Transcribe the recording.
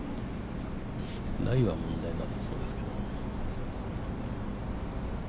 ライは問題なさそうですけど。